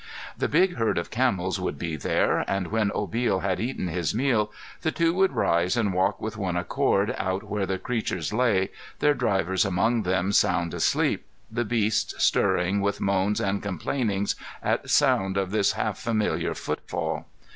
The big herd of camels would be there, and when Obil had eaten his meal the two would rise and walk with one accord out where the creatures lay, their drivers among them sound asleep, the beasts stirring with moans and complainings at sound of this half familiar footfall.